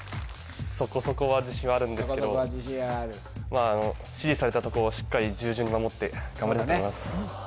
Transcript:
そこそこは自信はあるんですけど指示されたとこをしっかり従順に守って頑張りたいと思います